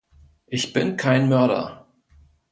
Ich bin kein Mörder!